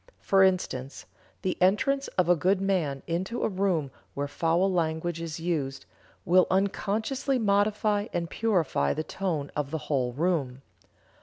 For instance, the entrance of a good man into a room where foul language is used, will unconsciously modify and purify the tone of the whole room.